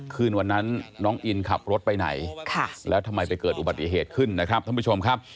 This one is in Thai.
คืนวันนั้นน้องอินขับรถไปไหนแล้วทำไมไปเกิดอุบัติเหตุขึ้นนะครับท่านผู้ชมครับ